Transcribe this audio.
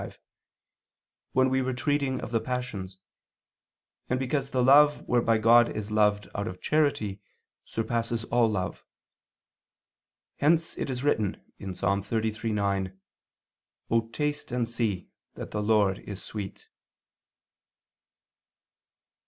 5), when we were treating of the passions, and because the love whereby God is loved out of charity surpasses all love. Hence it is written (Ps. 33:9): "O taste and see that the Lord is sweet."